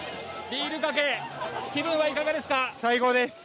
ビールかけ気分はいかがですか。